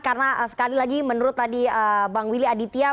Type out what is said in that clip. karena sekali lagi menurut tadi bang willy aditya